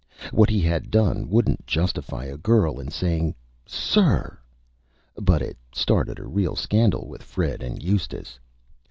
What he had done wouldn't Justify a Girl in saying, "Sir!" but it started a Real Scandal with Fred and Eustace.